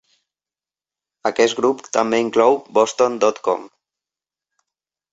Aquest grup també inclou "boston dot com".